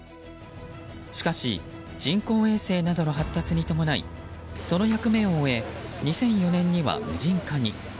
しかし人工衛星などの発達に伴いその役目を終え２００４年には無人化に。